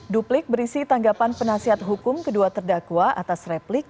duplik berisi tanggapan penasihat hukum kedua terdakwa atas replik